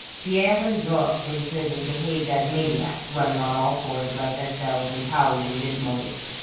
Pierre and Georges in prison behaved as maniacs, running on all fours about their cells and howling dismally.